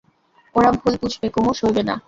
ওরা ভুল বুঝবে কুমু, সইবে না।